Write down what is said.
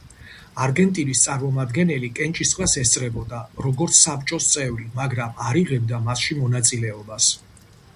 არგენტინის წარმომადგენელი კენჭისყრას ესწრებოდა, როგორც საბჭოს წევრი, მაგრამ არ იღებდა მასში მონაწილეობას.